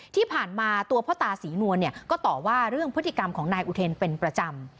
ที่ผ่านมาตัวพ่อตาศรีนวลเนี่ยก็ต่อว่าเรื่องพฤติกรรมของนายอุเทนเป็นประจำ